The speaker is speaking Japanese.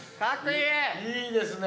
いいですね。